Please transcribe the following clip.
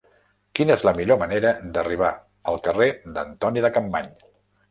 Quina és la millor manera d'arribar al carrer d'Antoni de Capmany?